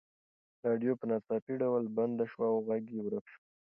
راډیو په ناڅاپي ډول بنده شوه او غږ یې ورک شو.